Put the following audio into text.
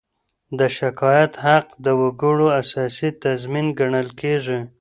د شکایت حق د وګړو اساسي تضمین ګڼل کېږي.